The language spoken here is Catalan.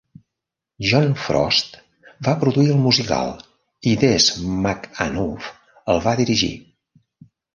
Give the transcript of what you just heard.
John Frost va produir el musical i Des McAnuff el va dirigir.